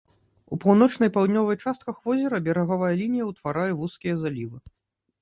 У паўночнай паўднёвай частках возера берагавая лінія ўтварае вузкія залівы.